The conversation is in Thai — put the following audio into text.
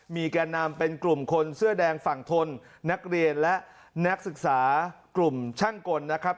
มีแก่นำเป็นกลุ่มคนเสื้อแดงฝั่งทนนักเรียนและนักศึกษากลุ่มช่างกลนะครับ